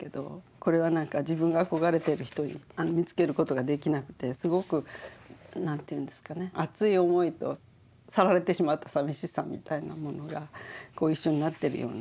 これは何か自分が憧れている人を見つける事ができなくてすごく何ていうんですかね熱い思いと去られてしまったさみしさみたいなものが一緒になってるような。